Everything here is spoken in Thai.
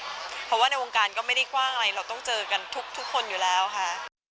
เพราะว่าในวงการก็ไม่ได้กว้างอะไรเราต้องเจอกันทุกคนอยู่แล้วค่ะ